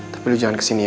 tapi lu jangan kesini ya